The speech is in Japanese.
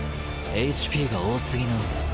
ＨＰが多過ぎなんだ。